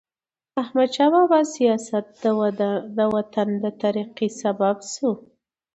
د احمدشاه بابا سیاست د وطن د ترقۍ سبب سو.